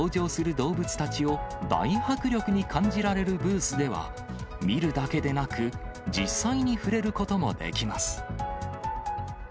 動物たちを大迫力に感じられるブースでは、見るだけでなく、実際に触れることもできます。